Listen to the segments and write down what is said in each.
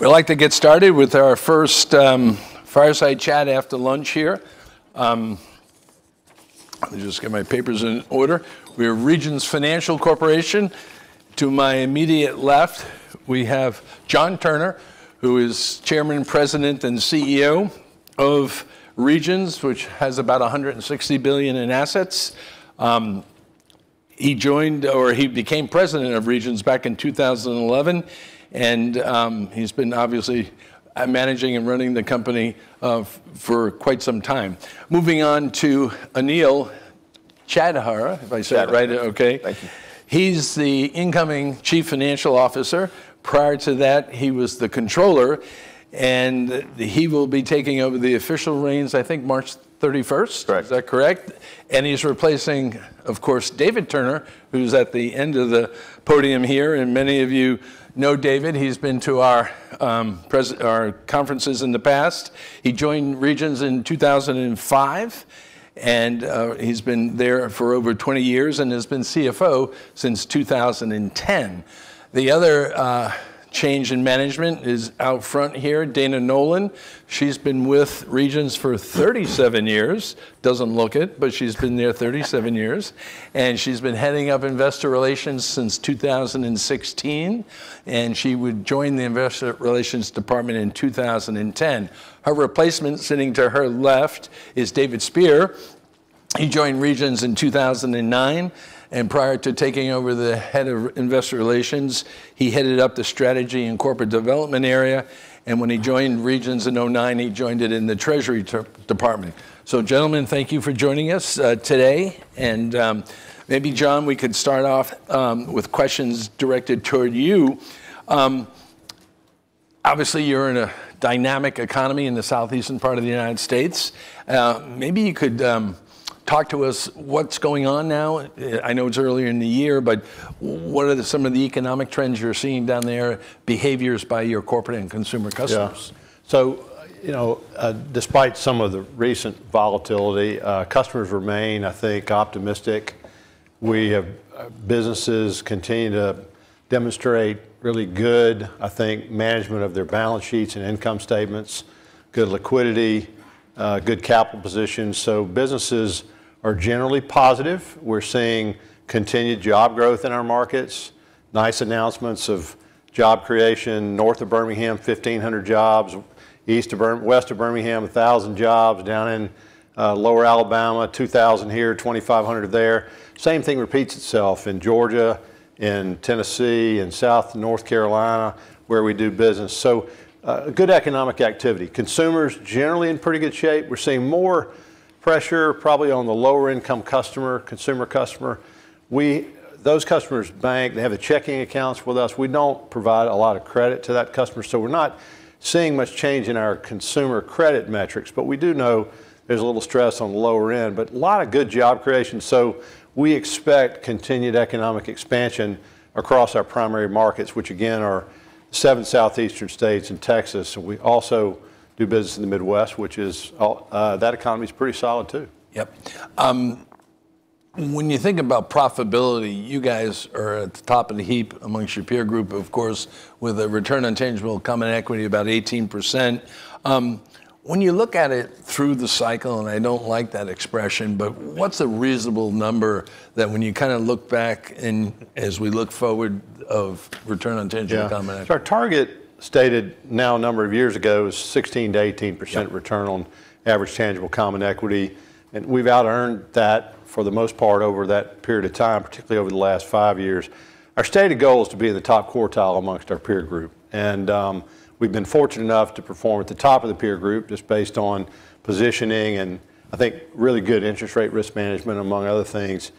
We'd like to get started with our first fireside chat after lunch here. Let me just get my papers in order. We're Regions Financial Corporation. To my immediate left, we have John Turner, who is Chairman, President, and CEO of Regions, which has about $160 billion in assets. He joined or he became President of Regions back in 2011, and he's been obviously managing and running the company for quite some time. Moving on to Anil Chadha, if I said it right. Chadha. Okay. Thank you. He's the incoming Chief Financial Officer. Prior to that, he was the Controller, and he will be taking over the official reins, I think March 31st. Correct. Is that correct? He's replacing, of course, David Turner, who's at the end of the podium here, and many of you know David. He's been to our conferences in the past. He joined Regions in 2005, and he's been there for over 20 years, and has been CFO since 2010. The other change in management is out front here, Dana Nolan. She's been with Regions for 37 years. Doesn't look it, but she's been there 37 years, and she's been heading up investor relations since 2016, and she would join the investor relations department in 2010. Her replacement, sitting to her left, is David Speer. He joined Regions in 2009, and prior to taking over the head of investor relations, he headed up the strategy and corporate development area, and when he joined Regions in 2009, he joined it in the treasury department. Gentlemen, thank you for joining us today. Maybe John, we could start off with questions directed toward you. Obviously you're in a dynamic economy in the southeastern part of the United States. Maybe you could talk to us what's going on now. I know it's early in the year, but what are some of the economic trends you're seeing down there, behaviors by your corporate and consumer customers? Yeah, you know, despite some of the recent volatility, customers remain, I think, optimistic. We have businesses continue to demonstrate really good, I think, management of their balance sheets and income statements, good liquidity, good capital positions. Businesses are generally positive. We're seeing continued job growth in our markets, nice announcements of job creation. North of Birmingham, 1,500 jobs, west of Birmingham, 1,000 jobs, down in lower Alabama, 2,000 here, 2,500 there. Same thing repeats itself in Georgia, in Tennessee, in South and North Carolina, where we do business. Good economic activity. Consumers, generally in pretty good shape. We're seeing more pressure probably on the lower income customer. Those customers bank, they have their checking accounts with us. We don't provide a lot of credit to that customer, so we're not seeing much change in our consumer credit metrics, but we do know there's a little stress on the lower end. A lot of good job creation, so we expect continued economic expansion across our primary markets, which again are seven southeastern states and Texas. We also do business in the Midwest, which is also that economy's pretty solid too. Yep. When you think about profitability, you guys are at the top of the heap among your peer group, of course, with a return on tangible common equity about 18%. When you look at it through the cycle, and I don't like that expression, but what's a reasonable number that when you kinda look back and as we look forward of return on tangible common equity? Yeah. Our target, stated now a number of years ago, is 16%-18%. Yeah. Return on Average Tangible Common Equity, and we've outearned that for the most part over that period of time, particularly over the last five years. Our stated goal is to be in the top quartile amongst our peer group, and we've been fortunate enough to perform at the top of the peer group just based on positioning and, I think, really good Interest Rate Risk Management, among other things.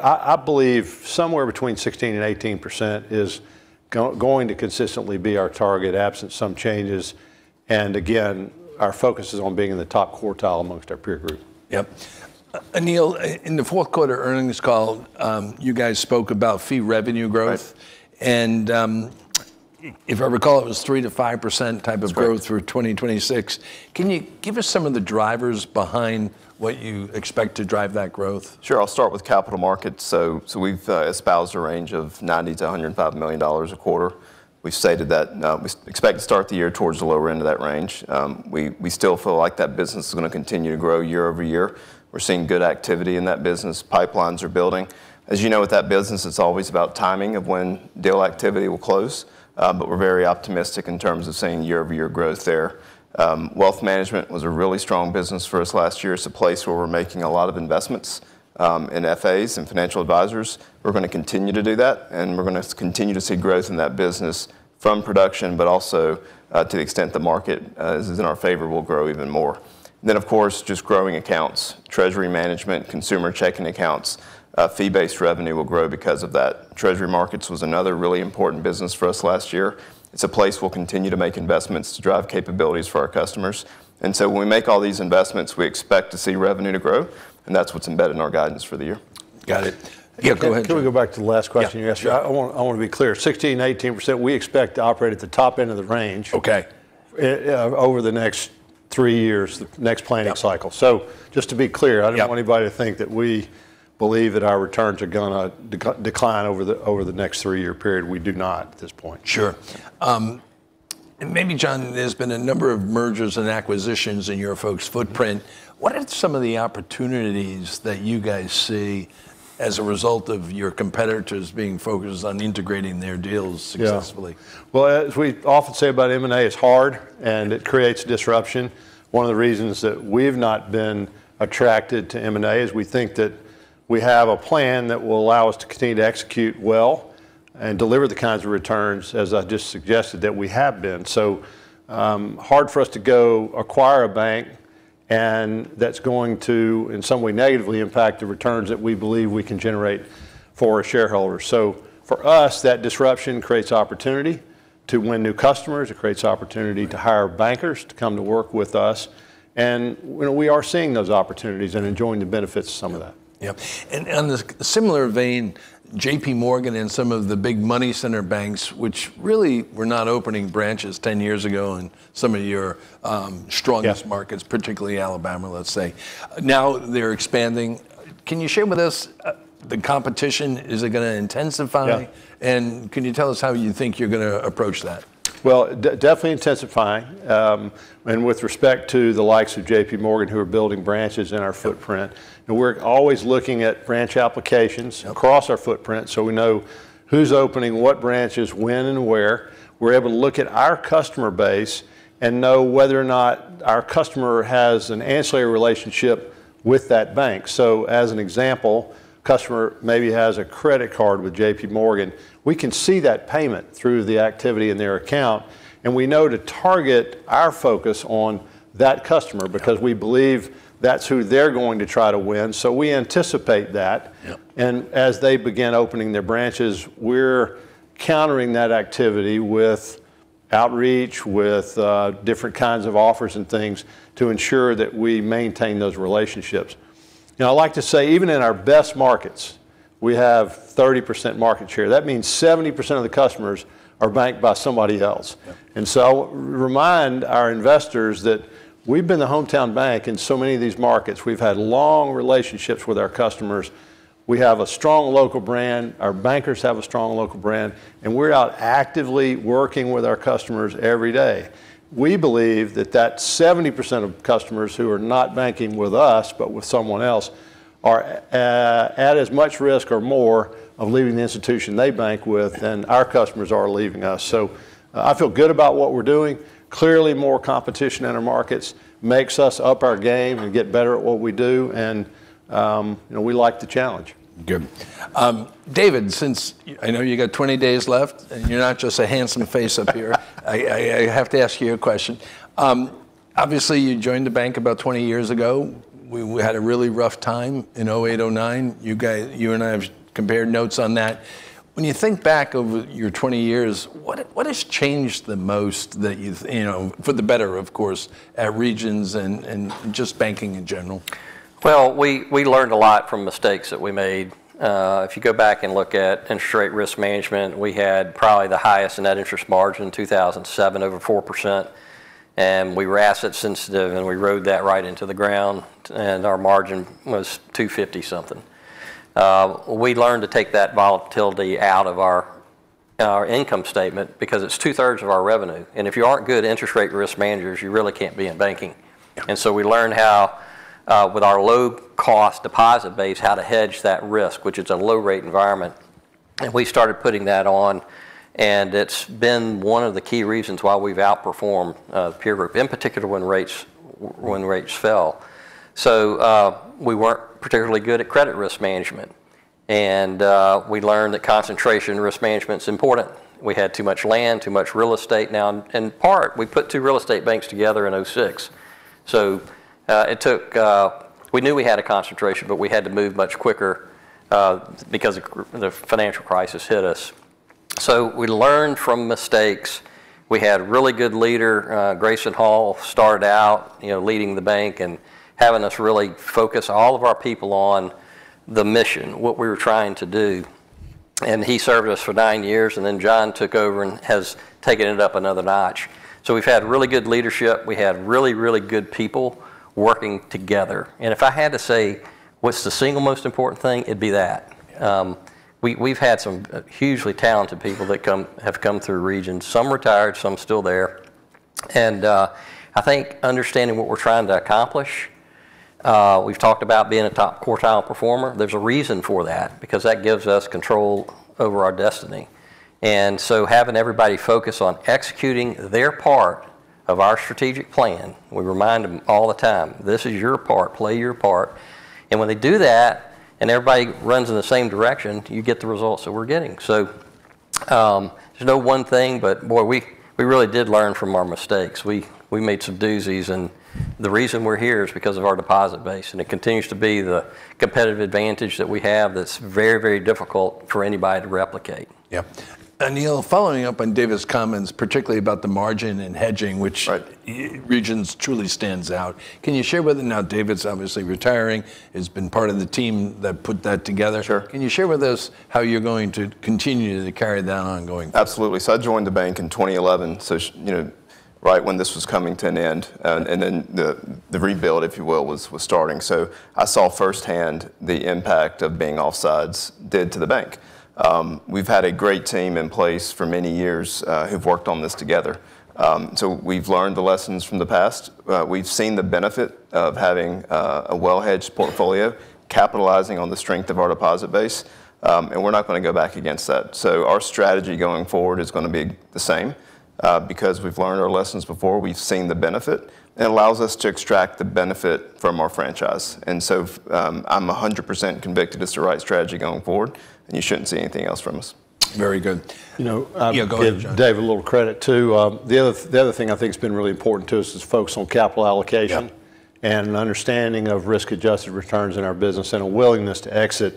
I believe somewhere between 16% and 18% is going to consistently be our target, absent some changes. Again, our focus is on being in the top quartile amongst our peer group. Yep. Anil, in the fourth quarter earnings call, you guys spoke about fee revenue growth. Right. If I recall, it was 3%-5% type of growth. That's right. through 2026. Can you give us some of the drivers behind what you expect to drive that growth? Sure. I'll start with Capital Markets. We've espoused a range of $90-$105 million a quarter. We've stated that we expect to start the year towards the lower end of that range. We still feel like that business is gonna continue to grow year-over-year. We're seeing good activity in that business. Pipelines are building. As you know, with that business, it's always about timing of when deal activity will close. We're very optimistic in terms of seeing year-over-year growth there. Wealth Management was a really strong business for us last year. It's a place where we're making a lot of investments in FAs, in financial advisors. We're gonna continue to do that, and we're gonna continue to see growth in that business from production, but also, to the extent the market is in our favor, will grow even more. Of course, just growing accounts, Treasury Management, consumer checking accounts, fee-based revenue will grow because of that. Treasury markets was another really important business for us last year. It's a place we'll continue to make investments to drive capabilities for our customers. When we make all these investments, we expect to see revenue to grow, and that's what's embedded in our guidance for the year. Got it. Yeah, go ahead, John. Can we go back to the last question you asked? Yeah. I wanna be clear. 16%-18%, we expect to operate at the top end of the range. Okay. over the next three years, the next planning cycle. Yeah. Just to be clear. Yeah I don't want anybody to think that we believe that our returns are gonna decline over the next three-year period. We do not at this point. Sure. Maybe, John, there's been a number of mergers and acquisitions in your folks' footprint. What are some of the opportunities that you guys see as a result of your competitors being focused on integrating their deals successfully? Yeah. Well, as we often say about M&A, it's hard, and it creates disruption. One of the reasons that we've not been attracted to M&A is we think that we have a plan that will allow us to continue to execute well and deliver the kinds of returns, as I just suggested, that we have been. hard for us to go acquire a bank, and that's going to, in some way, negatively impact the returns that we believe we can generate for our shareholders. for us, that disruption creates opportunity to win new customers. It creates opportunity to hire bankers to come to work with us, and, you know, we are seeing those opportunities and enjoying the benefits of some of that. Yeah. In a similar vein, JP Morgan and some of the big money center banks, which really were not opening branches 10 years ago in some of your strongest markets. Yeah. Particularly Alabama, let's say, now they're expanding. Can you share with us, the competition, is it gonna intensify? Yeah. Can you tell us how you think you're gonna approach that? Well, definitely intensifying, and with respect to the likes of JP Morgan, who are building branches in our footprint. You know, we're always looking at branch applications. Yeah. Across our footprint, so we know who's opening what branches when and where. We're able to look at our customer base and know whether or not our customer has an ancillary relationship with that bank. As an example, customer maybe has a credit card with JP Morgan. We can see that payment through the activity in their account, and we know to target our focus on that customer. Yeah. because we believe that's who they're going to try to win, so we anticipate that. Yeah. As they begin opening their branches, we're countering that activity with outreach, with different kinds of offers and things to ensure that we maintain those relationships. You know, I like to say, even in our best markets, we have 30% market share. That means 70% of the customers are banked by somebody else. Yeah. Remind our investors that we've been the hometown bank in so many of these markets. We've had long relationships with our customers. We have a strong local brand. Our bankers have a strong local brand, and we're out actively working with our customers every day. We believe that 70% of customers who are not banking with us but with someone else are at as much risk or more of leaving the institution they bank with than our customers are of leaving us. I feel good about what we're doing. Clearly, more competition in our markets makes us up our game and get better at what we do, and, you know, we like the challenge. Good. David, since I know you got 20 days left, and you're not just a handsome face up here. I have to ask you a question. Obviously, you joined the bank about 20 years ago. We had a really rough time in 2008, 2009. You and I have compared notes on that. When you think back over your 20 years, what has changed the most that you've, you know, for the better, of course, at Regions and just banking in general? Well, we learned a lot from mistakes that we made. If you go back and look at interest rate risk management, we had probably the highest net interest margin in 2007, over 4%. We were asset sensitive, and we rode that right into the ground, and our margin was 250-something. We learned to take that volatility out of our income statement because it's two-thirds of our revenue, and if you aren't good interest rate risk managers, you really can't be in banking. Yeah. We learned how, with our low-cost deposit base, how to hedge that risk, which it's a low-rate environment. We started putting that on, and it's been one of the key reasons why we've outperformed peer group, in particular when rates fell. We weren't particularly good at credit risk management, and we learned that concentration risk management's important. We had too much land, too much real estate. Now, in part, we put two real estate banks together in 2006. It took. We knew we had a concentration, but we had to move much quicker, because the financial crisis hit us. We learned from mistakes. We had a really good leader. Grayson Hall started out, you know, leading the bank and having us really focus all of our people on the mission, what we were trying to do. He served us for nine years, and then John took over and has taken it up another notch. We've had really good leadership. We have really, really good people working together, and if I had to say what's the single most important thing, it'd be that. We've had some hugely talented people that have come through Regions. Some retired, some still there. I think understanding what we're trying to accomplish, we've talked about being a top quartile performer. There's a reason for that, because that gives us control over our destiny. Having everybody focus on executing their part of our strategic plan, we remind them all the time, "This is your part. Play your part." When they do that, and everybody runs in the same direction, you get the results that we're getting. There's no one thing, but boy, we really did learn from our mistakes. We made some doozies, and the reason we're here is because of our deposit base, and it continues to be the competitive advantage that we have that's very, very difficult for anybody to replicate. Yeah. Anil, following up on David's comments, particularly about the margin and hedging. Right which, Regions truly stands out, can you share with. Now David's obviously retiring. He's been part of the team that put that together. Sure. Can you share with us how you're going to continue to carry that ongoing? Absolutely. I joined the bank in 2011, so you know. Right when this was coming to an end, and then the rebuild, if you will, was starting. I saw firsthand the impact of being offsides did to the bank. We've had a great team in place for many years, who've worked on this together. We've learned the lessons from the past. We've seen the benefit of having a well-hedged portfolio, capitalizing on the strength of our deposit base, and we're not gonna go back against that. Our strategy going forward is gonna be the same, because we've learned our lessons before. We've seen the benefit, and it allows us to extract the benefit from our franchise. I'm 100% convicted it's the right strategy going forward, and you shouldn't see anything else from us. Very good. You know. Yeah, go ahead, John.... give Dave a little credit too. The other thing I think that's been really important to us is focus on capital allocation. Yeah An understanding of risk-adjusted returns in our business, and a willingness to exit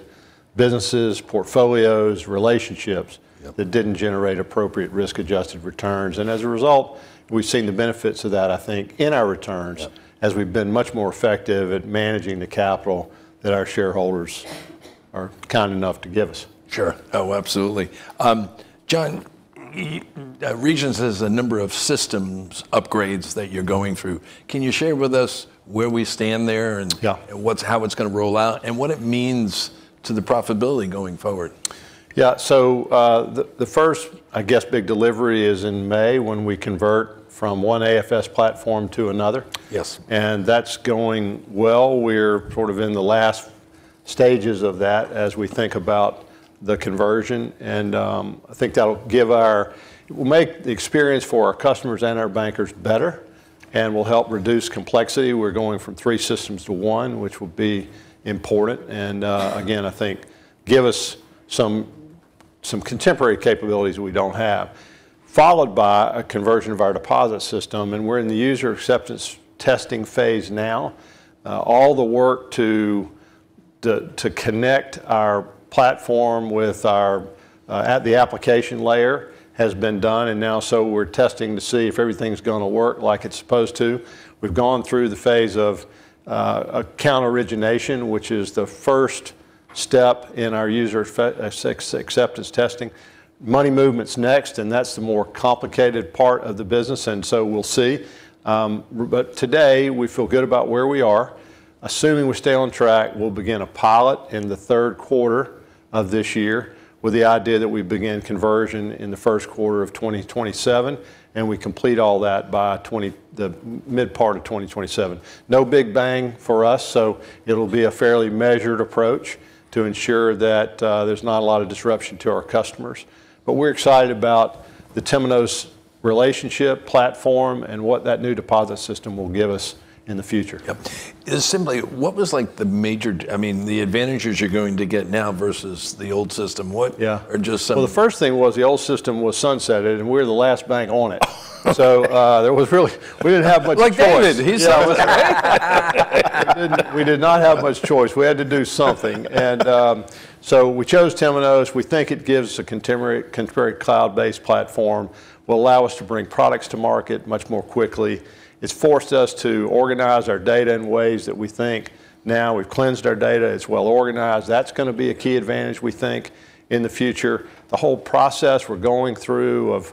businesses, portfolios, relationships. Yeah that didn't generate appropriate risk-adjusted returns. As a result, we've seen the benefits of that, I think, in our returns. Yeah As we've been much more effective at managing the capital that our shareholders are kind enough to give us. Sure. Oh, absolutely. John, Regions has a number of systems upgrades that you're going through. Can you share with us where we stand there? Yeah What's, how it's gonna roll out, and what it means to the profitability going forward? The first, I guess, big delivery is in May when we convert from one AFS platform to another. Yes. That's going well. We're sort of in the last stages of that as we think about the conversion. It will make the experience for our customers and our bankers better, and will help reduce complexity. We're going from three systems to one, which will be important, and again, I think give us some contemporary capabilities we don't have. Followed by a conversion of our deposit system, and we're in the user acceptance testing phase now. All the work to connect our platform at the application layer has been done, and now so we're testing to see if everything's gonna work like it's supposed to. We've gone through the phase of account origination, which is the first step in our user acceptance testing. Money movement's next, and that's the more complicated part of the business, and so we'll see. Today, we feel good about where we are. Assuming we stay on track, we'll begin a pilot in the third quarter of this year, with the idea that we begin conversion in the first quarter of 2027, and we complete all that by the mid part of 2027. No big bang for us, so it'll be a fairly measured approach to ensure that, there's not a lot of disruption to our customers. We're excited about the Temenos relationship, platform, and what that new deposit system will give us in the future. Yep. Simply, what was, like, the advantages you're going to get now versus the old system? Yeah... or just some- Well, the first thing was the old system was sunsetted, and we're the last bank on it. There was really we didn't have much choice. Like David, he's. Yeah. We didn't, we did not have much choice. We had to do something. We chose Temenos. We think it gives a contemporary cloud-based platform. It will allow us to bring products to market much more quickly. It's forced us to organize our data in ways that we think now we've cleansed our data, it's well-organized. That's gonna be a key advantage, we think, in the future. The whole process we're going through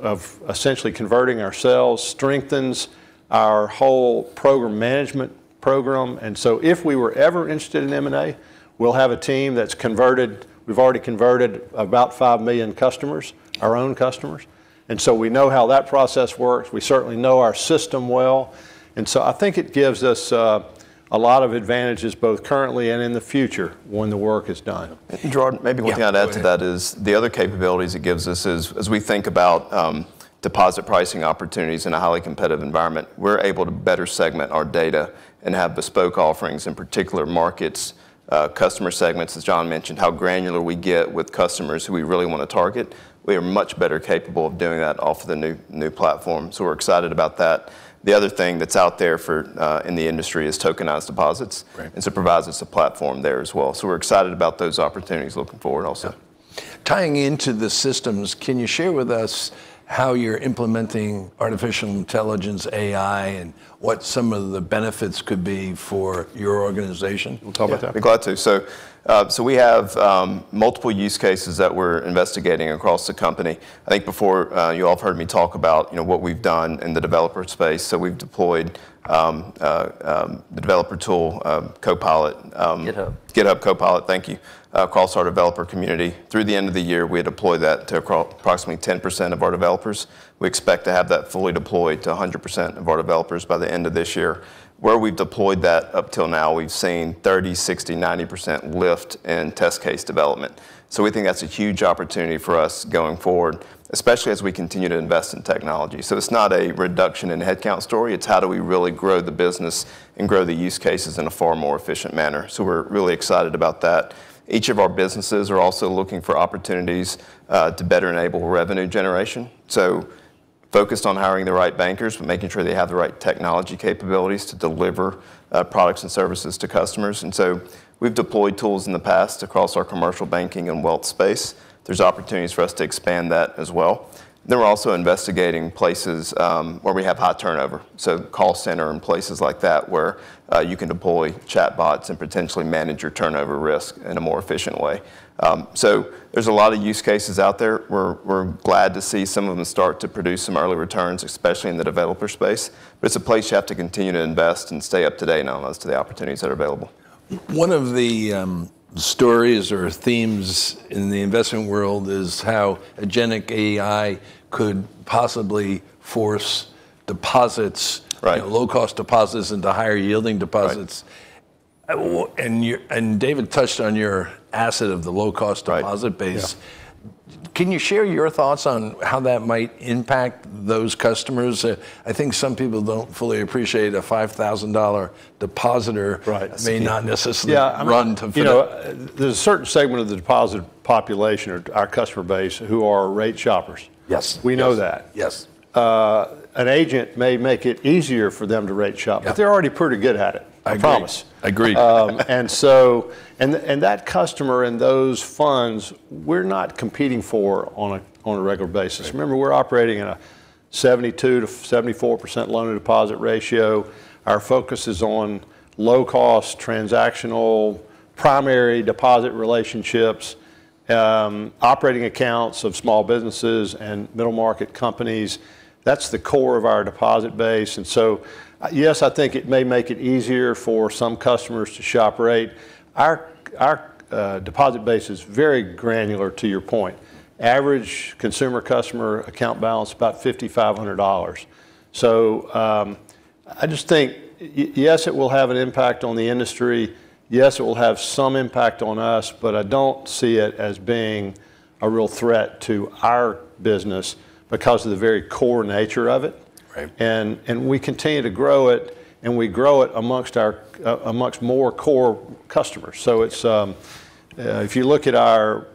of essentially converting ourselves strengthens our whole program management program. If we were ever interested in M&A, we'll have a team that's converted. We've already converted about five million customers, our own customers, and so we know how that process works. We certainly know our system well. I think it gives us a lot of advantages both currently and in the future when the work is done. John- Yeah. Go ahead. Maybe one thing I'd add to that is the other capabilities it gives us is as we think about deposit pricing opportunities in a highly competitive environment, we're able to better segment our data and have bespoke offerings in particular markets, customer segments, as John mentioned, how granular we get with customers who we really wanna target, we are much better capable of doing that off the new platform. So we're excited about that. The other thing that's out there for in the industry is tokenized deposits. Right. It provides us a platform there as well. We're excited about those opportunities looking forward also. Yeah. Tying into the systems, can you share with us how you're implementing artificial intelligence, AI, and what some of the benefits could be for your organization? Want to talk about that? Yeah. Be glad to. We have multiple use cases that we're investigating across the company. I think before, you all have heard me talk about, you know, what we've done in the developer space. We've deployed the developer tool, Copilot. GitHub. GitHub Copilot, thank you, across our developer community. Through the end of the year, we had deployed that to approximately 10% of our developers. We expect to have that fully deployed to 100% of our developers by the end of this year. Where we've deployed that up till now, we've seen 30%, 60%, 90% lift in test case development. We think that's a huge opportunity for us going forward, especially as we continue to invest in technology. It's not a reduction in headcount story, it's how do we really grow the business and grow the use cases in a far more efficient manner. We're really excited about that. Each of our businesses are also looking for opportunities to better enable revenue generation. Focused on hiring the right bankers, but making sure they have the right technology capabilities to deliver products and services to customers. We've deployed tools in the past across our commercial banking and wealth space. There's opportunities for us to expand that as well. We're also investigating places where we have high turnover, so call center and places like that, where you can deploy chatbots and potentially manage your turnover risk in a more efficient way. There's a lot of use cases out there. We're glad to see some of them start to produce some early returns, especially in the developer space. It's a place you have to continue to invest and stay up-to-date and alert to the opportunities that are available. One of the stories or themes in the investment world is how agentic AI could possibly force deposits. Right you know, low-cost deposits into higher-yielding deposits. Right. David touched on your asset of the low-cost deposit base. Right. Yeah. Can you share your thoughts on how that might impact those customers? I think some people don't fully appreciate a $5,000 depositor. Right. may not necessarily. Yeah.... run to- You know, there's a certain segment of the deposit population or our customer base who are rate shoppers. Yes. We know that. Yes. An agent may make it easier for them to rate shop. Yeah. They're already pretty good at it. I agree. I promise. Agreed. That customer and those funds, we're not competing for on a regular basis. Right. Remember, we're operating on a 72%-74% loan-to-deposit ratio. Our focus is on low-cost, transactional, primary deposit relationships, operating accounts of small businesses and middle market companies. That's the core of our deposit base, and so yes, I think it may make it easier for some customers to shop rate. Our deposit base is very granular, to your point. Average consumer customer account balance, about $5,500. So, I just think yes, it will have an impact on the industry. Yes, it will have some impact on us, but I don't see it as being a real threat to our business because of the very core nature of it. Right. We continue to grow it, and we grow it amongst our more core customers. It's, if you look at our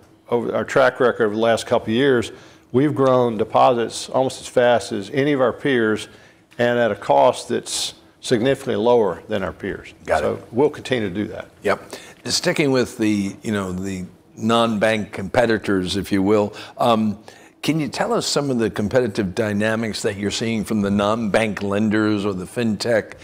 track record over the last couple years, we've grown deposits almost as fast as any of our peers and at a cost that's significantly lower than our peers. Got it. We'll continue to do that. Yep. Sticking with the, you know, the non-bank competitors, if you will, can you tell us some of the competitive dynamics that you're seeing from the non-bank lenders or the fintech,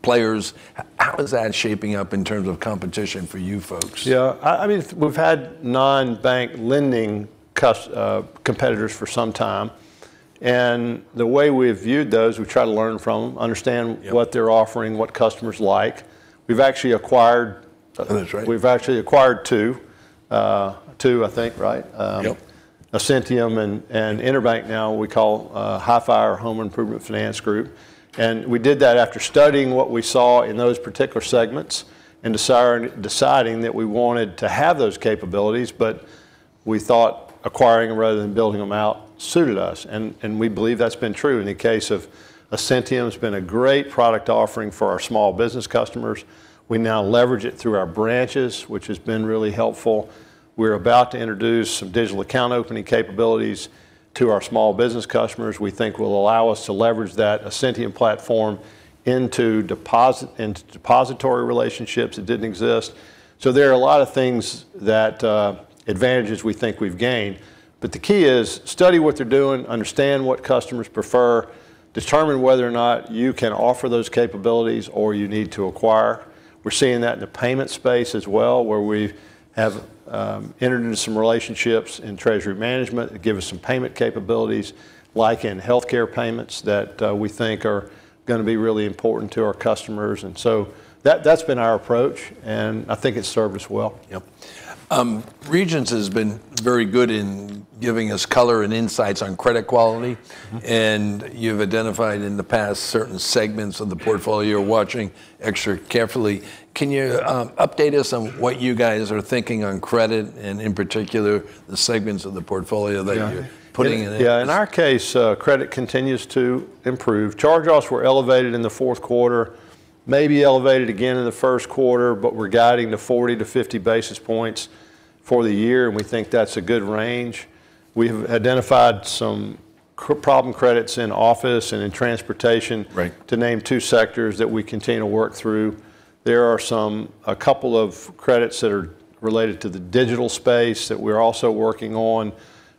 players? How is that shaping up in terms of competition for you folks? Yeah. I mean, we've had non-bank lending competitors for some time, and the way we have viewed those, we try to learn from them, understand. Yep. what they're offering, what customers like. We've actually acquired. I think that's right. We've actually acquired two, I think, right? Yep. Ascentium and EnerBank, now we call Regions Home Improvement Financing. We did that after studying what we saw in those particular segments and deciding that we wanted to have those capabilities, but we thought acquiring them rather than building them out suited us, and we believe that's been true. In the case of Ascentium, it's been a great product offering for our small business customers. We now leverage it through our branches, which has been really helpful. We're about to introduce some digital account opening capabilities to our small business customers we think will allow us to leverage that Ascentium platform into deposit, into depository relationships that didn't exist. There are a lot of things, the advantages we think we've gained, but the key is to study what they're doing, understand what customers prefer, determine whether or not you can offer those capabilities or you need to acquire. We're seeing that in the payment space as well, where we've entered into some relationships in Treasury Management to give us some payment capabilities, like in healthcare payments, that we think are gonna be really important to our customers. That's been our approach, and I think it's served us well. Yep. Regions has been very good in giving us color and insights on credit quality. You've identified in the past certain segments of the portfolio. Yeah. You're watching extra carefully. Can you update us on what you guys are thinking on credit and, in particular, the segments of the portfolio that you're Yeah. putting an emphasis. Yeah, in our case, credit continues to improve. Charge-offs were elevated in the fourth quarter, may be elevated again in the first quarter, but we're guiding to 40-50 basis points for the year, and we think that's a good range. We have identified some problem credits in office and in transportation. Right. To name two sectors that we continue to work through. There are some, a couple of credits that are related to the digital space that we're also working on,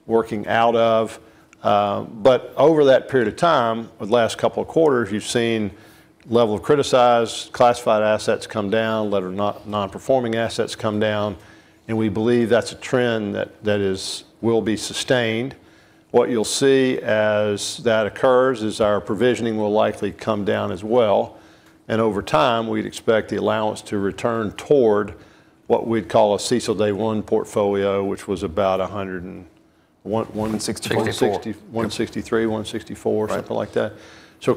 working out of. Over that period of time, over the last couple of quarters, you've seen level of criticized, classified assets come down, non-performing assets come down, and we believe that's a trend that is will be sustained. What you'll see as that occurs is our provisioning will likely come down as well, and over time, we'd expect the allowance to return toward what we'd call a CECL Day-One portfolio, which was about 101, 160. 164 160- Yep 163, 164- Right. Something like that.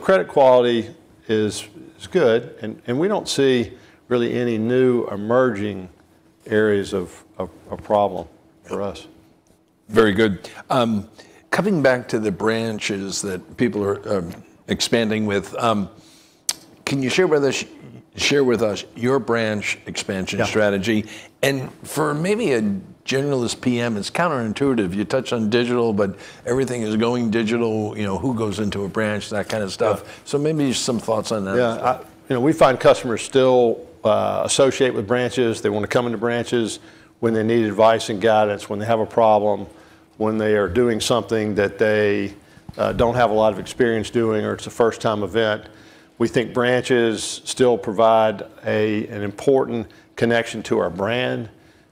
Credit quality is good, and we don't see really any new emerging areas of a problem for us. Very good. Coming back to the branches that people are expanding with, can you share with us your branch expansion strategy? Yeah. For maybe a generalist PM, it's counterintuitive. You touched on digital, but everything is going digital, you know, who goes into a branch, that kind of stuff? Yeah. Maybe just some thoughts on that. Yeah. You know, we find customers still associate with branches. They want to come into branches when they need advice and guidance, when they have a problem, when they are doing something that they don't have a lot of experience doing, or it's a first-time event. We think branches still provide an important connection to our brand.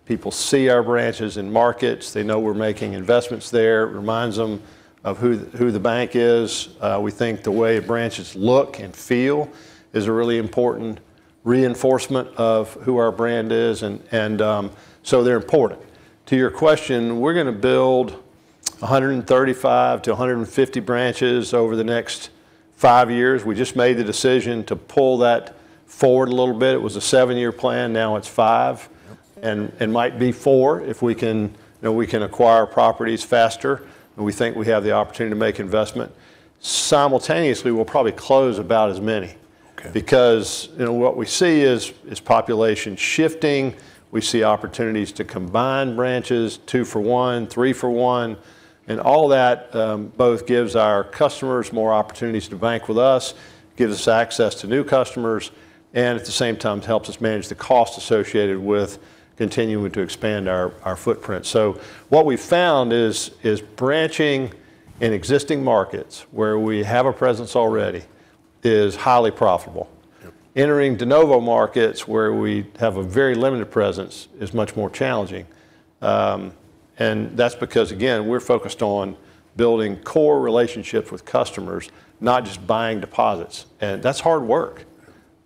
People see our branches in markets. They know we're making investments there. It reminds them of who the bank is. We think the way branches look and feel is a really important reinforcement of who our brand is, and so they're important. To your question, we're gonna build 135-150 branches over the next five years. We just made the decision to pull that forward a little bit. It was a seven-year plan, now it's five. Oops. It might be four if we can, you know, we can acquire properties faster, and we think we have the opportunity to make investment. Simultaneously, we'll probably close about as many. Okay. Because, you know, what we see is population shifting. We see opportunities to combine branches, two for one, three for one. All that both gives our customers more opportunities to bank with us, gives us access to new customers, and at the same time helps us manage the cost associated with continuing to expand our footprint. What we've found is branching in existing markets where we have a presence already is highly profitable. Yep. Entering de novo markets where we have a very limited presence is much more challenging. That's because, again, we're focused on building core relationships with customers, not just buying deposits, and that's hard work.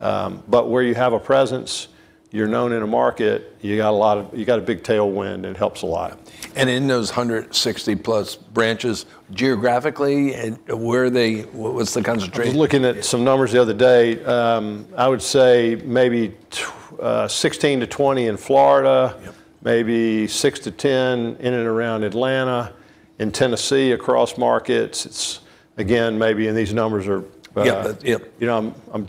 Yep. Where you have a presence, you're known in a market. You got a big tailwind. It helps a lot. In those 160+ branches, geographically, where are they? What's the concentration? I was looking at some numbers the other day. I would say maybe 16 to 20 in Florida. Yep. Maybe 6-10 in and around Atlanta. In Tennessee across markets, it's, again, maybe, and these numbers are- Yeah, yep you know, I'm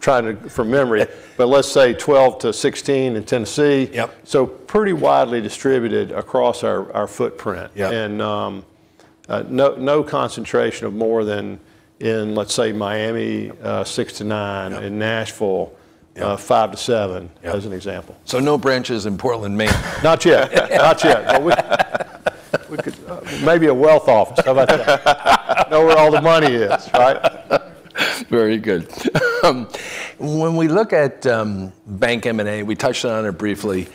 trying to, from memory. Let's say 12-16 in Tennessee. Yep. Pretty widely distributed across our footprint. Yep. No concentration of more than in, let's say, Miami. Yep.... uh, six to nine. Yep. In Nashville. Yep. ... uh, five to seven- Yep. as an example. No branches in Portland, Maine. Not yet. We could. Maybe a wealth office. How about that? Know where all the money is, right? Very good. When we look at bank M&A, we touched on it briefly.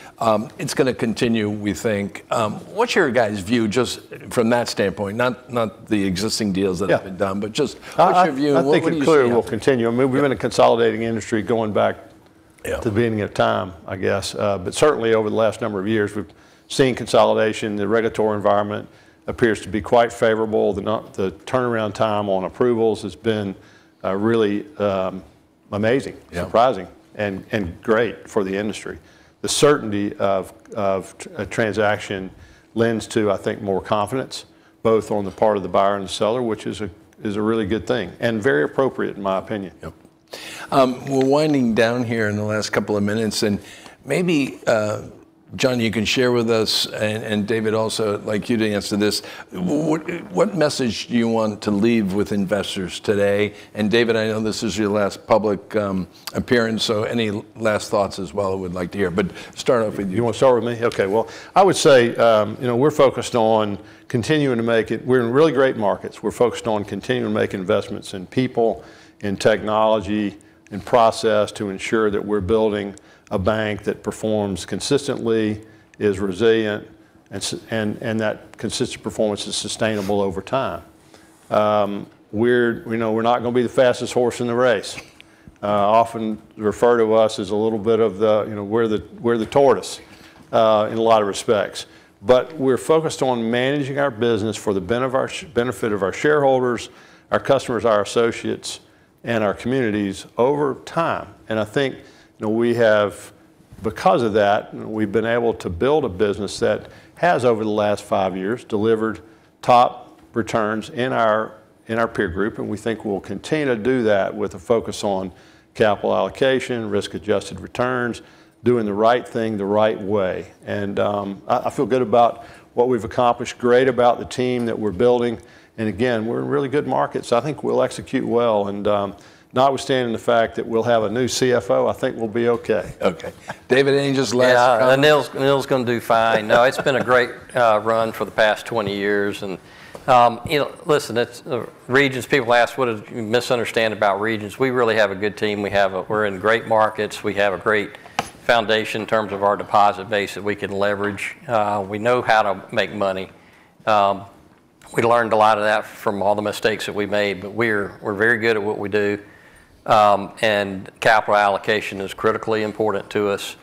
It's gonna continue, we think. What's your guys' view just from that standpoint? Not the existing deals that have been done. Yeah. Just what's your view? What would you see happening? I think it clearly will continue. I mean, we've been a consolidating industry going back. Yeah. To the beginning of time, I guess. Certainly over the last number of years, we've seen consolidation. The regulatory environment appears to be quite favorable. The turnaround time on approvals has been really amazing. Yeah. Surprising, and great for the industry. The certainty of a transaction lends to, I think, more confidence, both on the part of the buyer and seller, which is a really good thing, and very appropriate in my opinion. Yep. We're winding down here in the last couple of minutes, and maybe John, you can share with us, and David also, like you to answer this, what message do you want to leave with investors today? David, I know this is your last public appearance, so any last thoughts as well we'd like to hear. Start off with you. You want to start with me? Okay. Well, I would say, you know, we're focused on continuing to make it. We're in really great markets. We're focused on continuing to make investments in people, in technology, in process, to ensure that we're building a bank that performs consistently, is resilient, and that consistent performance is sustainable over time. You know, we're not gonna be the fastest horse in the race. Often refer to us as a little bit of the, you know, we're the tortoise in a lot of respects. We're focused on managing our business for the benefit of our shareholders, our customers, our associates, and our communities over time. I think, you know, we have, because of that, we've been able to build a business that has, over the last five years, delivered top returns in our peer group. We think we'll continue to do that with a focus on capital allocation, risk-adjusted returns, doing the right thing the right way. I feel good about what we've accomplished, great about the team that we're building. Again, we're in really good markets. I think we'll execute well. Notwithstanding the fact that we'll have a new CFO, I think we'll be okay. Okay. David, any just last comments? Yeah, Anil's gonna do fine. No, it's been a great run for the past 20 years. You know, listen, it's Regions. People ask what do you misunderstand about Regions. We really have a good team. We're in great markets. We have a great foundation in terms of our deposit base that we can leverage. We know how to make money. We learned a lot of that from all the mistakes that we made, but we're very good at what we do. Capital allocation is critically important to us.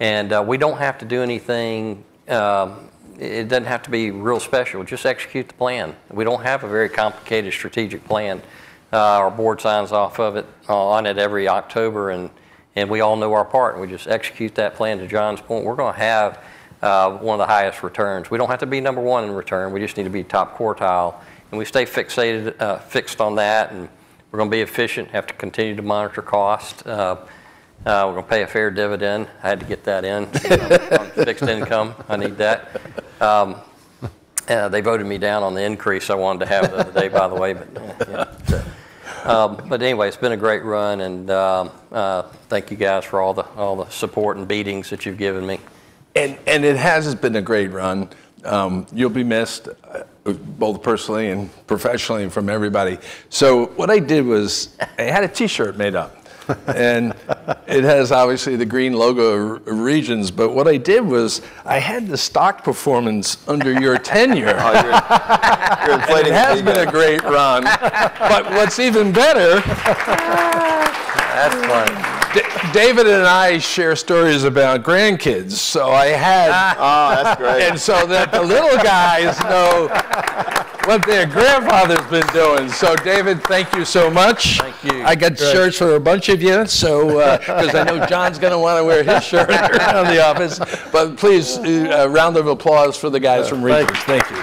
We don't have to do anything. It doesn't have to be real special. Just execute the plan. We don't have a very complicated strategic plan. Our board signs off on it every October, and we all know our part, and we just execute that plan. To John's point, we're gonna have one of the highest returns. We don't have to be number one in return. We just need to be top quartile. We stay fixed on that, and we're gonna be efficient, have to continue to monitor cost. We're gonna pay a fair dividend. I had to get that in. From fixed income. I need that. They voted me down on the increase I wanted to have the other day, by the way, but yeah. It's been a great run, and thank you guys for all the support and beatings that you've given me. It has been a great run. You'll be missed both personally and professionally from everybody. I had a T-shirt made up. It has obviously the green logo of Regions, but what I did was I had the stock performance under your tenure. Oh, you're inflating things there. It has been a great run. What's even better. That's fun. David and I share stories about grandkids, so I had. Oh, that's great. that the little guys know what their grandfather's been doing. David, thank you so much. Thank you. I got shirts for a bunch of you, so 'cause I know John's gonna wanna wear his shirt around the office. Please, a round of applause for the guys from Regions. Thank you. Thank you.